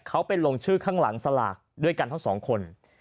เขาไปลงชื่อข้างหลังสลากด้วยกันทั้งสองคน